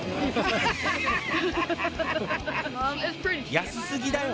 安すぎだよ。